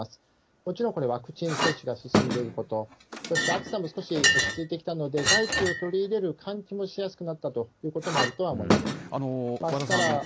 もちろん、これ、ワクチン接種が進んでいること、そして暑さも少し落ち着いてきたので、外気を取り入れる換気もしやすくなったということもあると思います。